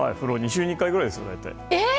２週に１回ぐらいですよ。